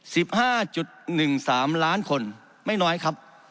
สิบห้าจุดหนึ่งสามล้านคนไม่น้อยครับ